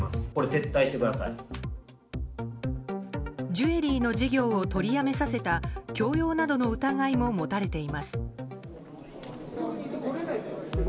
ジュエリーの事業を取りやめさせた強要などの疑いも持たれています。